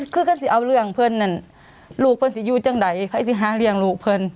คือก็สิเอาเรื่องเพื่อนนั่นลูกเพื่อนสิอยู่จังใดใครสิหาเลี้ยงลูกเพื่อน